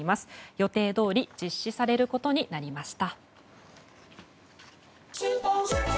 予定どおり実施されることになりました。